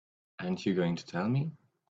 Aren't you going to tell me?